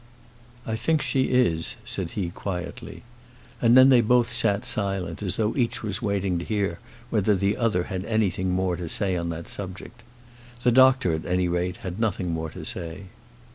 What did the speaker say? "I think she is," said he, quietly. And then they both sat silent, as though each was waiting to hear whether the other had anything more to say on that subject. The doctor, at any rate, had nothing more to say.